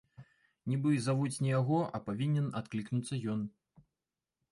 Нібы завуць не яго, а павінен адклікнуцца ён.